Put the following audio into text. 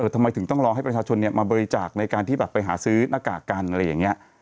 ทำไมถึงต้องรอให้ประชาชนมาบริจาคในการที่แบบไปหาซื้อหน้ากากกันอะไรอย่างนี้